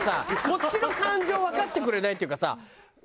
こっちの感情わかってくれないっていうかさ。